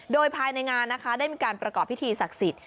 โดยภายในงานนะคะได้มีการประกอบพิธีศักดิ์สิทธิ